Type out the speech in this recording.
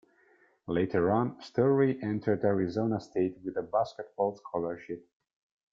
Later on, Storey entered Arizona state with a basketball scholarship.